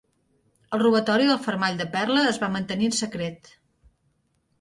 El robatori del fermall de perla es va mantenir en secret.